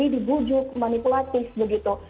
dibujuk manipulatif begitu